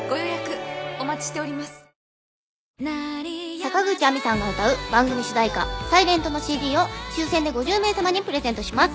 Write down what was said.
坂口有望さんが歌う番組主題歌『サイレント』の ＣＤ を抽選で５０名様にプレゼントします